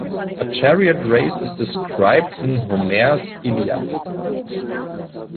A chariot race is described in Homer's "Iliad".